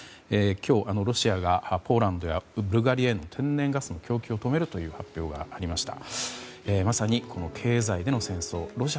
今日、ロシアがポーランドやブルガリアへの天然ガスの供給を止めるという発表がありました。